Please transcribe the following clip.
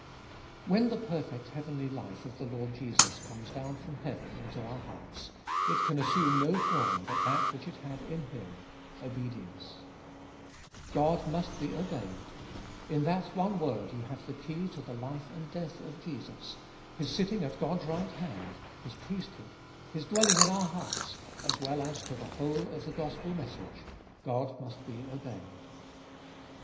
7. When the perfect heavenly life of the Lord Jesus comes down from heauen into our hearts, it can assume no form but that which it had in Him — obedience. 2. God must be obeyed : In that one word you have the hey to the life and death of Jesus, His sitting at God's right hand, His priesthood, His dwelling in our hearts, as well as to the whole of the gospel message, — God must be obeyed.